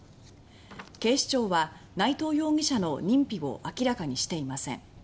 警視庁は内藤容疑者の認否を明らかにしていません。